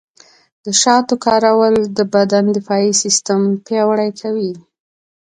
د شاتو کارول د بدن دفاعي سیستم پیاوړی کوي.